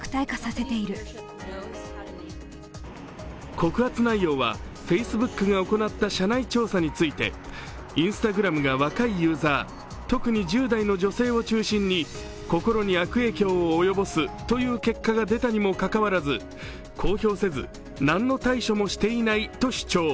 告発内容は、フェイスブックが行った社内調査についてＩｎｓｔａｇｒａｍが若いユーザー、特に１０代の若い女性を中心に心に悪影響を及ぼすという結果が出たにもかかわらず公表せず、何の対処もしていないと主張。